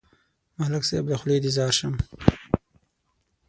ملک صاحب، له خولې دې ځار شم.